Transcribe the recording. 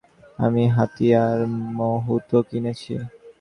আমি হাতি আর মাহুতও কিনেছি।